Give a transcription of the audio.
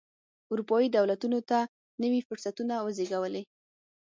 اروپايي دولتونو ته نوي فرصتونه وزېږولې.